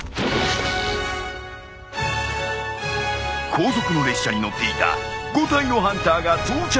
後続の列車に乗っていた５体のハンターが到着。